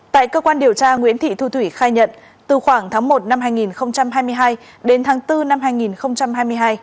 tại cơ quan điều tra nguyễn thị thu thủy khai nhận từ khoảng tháng một năm hai nghìn hai mươi hai đến tháng bốn năm hai nghìn hai mươi hai